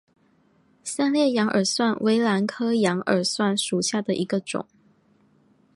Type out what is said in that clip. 三裂羊耳蒜为兰科羊耳蒜属下的一个种。